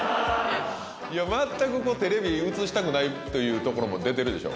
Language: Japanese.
いや全くテレビに映したくないというところも出てるでしょ